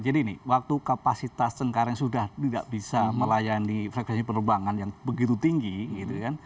jadi ini waktu kapasitas cengkareng sudah tidak bisa melayani frekuensi penerbangan yang begitu terlalu besar